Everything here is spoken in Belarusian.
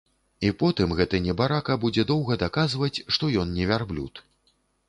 І потым гэты небарака будзе доўга даказваць, што ён не вярблюд.